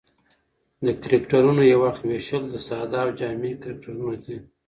د کرکټرونو یو اړخ وېشل د ساده او جامع کرکټرونه دي.